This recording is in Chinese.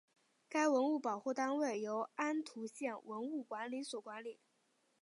该文物保护单位由安图县文物管理所管理。